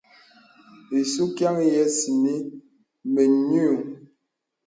Isùkyan ya sɛ̂nì mə nyùù.